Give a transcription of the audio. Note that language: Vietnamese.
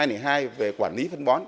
thứ hai là quản lý phân bón